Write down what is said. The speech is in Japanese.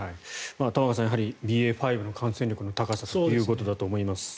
玉川さん、ＢＡ．５の感染力の高さということだと思います。